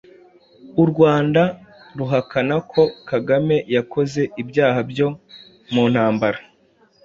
u rwanda ruhakana ko kagame yakoze ibyaha byo mu ntambara